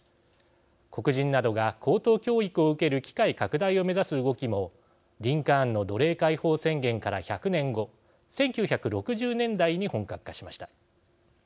黒人などが高等教育を受ける機会拡大を目指す動きもリンカーンの奴隷解放宣言から１００年後１９６０年代に本格化しました。